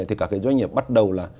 thì các doanh nghiệp bắt đầu là